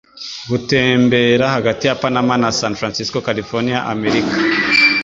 gutembera hagati ya Panama na San Francisco California Amerika